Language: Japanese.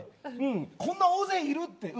こんな大勢いるって。